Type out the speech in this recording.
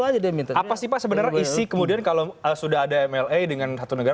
apa sih pak sebenarnya isi kemudian kalau sudah ada mla dengan satu negara